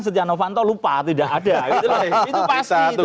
siti anufanto lupa tidak ada itu pasti itu